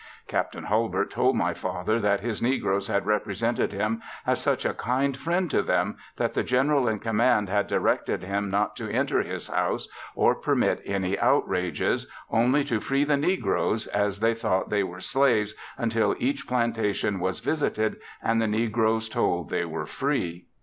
Captain Hulbert told my father that his negroes had represented him as such a kind friend to them that the general in command had directed him not to enter his house or permit any outrages, only to free the negroes, as they thought they were slaves until each plantation was visited and the negroes told they were free.